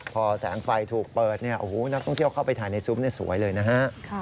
พอแสงไฟถูกเปิดนักท่องเที่ยวเข้าไปถ่ายในซุมนี่สวยเลยนะฮะ